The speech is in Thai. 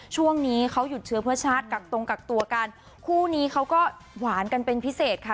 ช่วงนี้เขาหยุดเชื้อเพื่อชาติกักตรงกักตัวกันคู่นี้เขาก็หวานกันเป็นพิเศษค่ะ